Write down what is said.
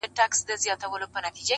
هره تېروتنه د ودې تخم لري!